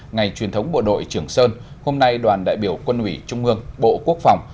ngày truyền thống bộ đội trường sơn hôm nay đoàn đại biểu quân ủy trung ương bộ quốc phòng